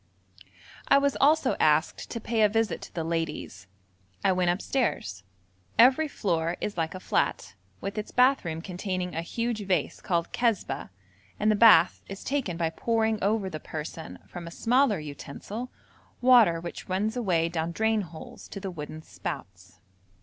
I was also asked to pay a visit to the ladies. I went upstairs. Every floor is like a flat, with its bath room containing a huge vase called kazbah, and the bath is taken by pouring over the person, from a smaller utensil, water which runs away down drain holes to the wooden spouts.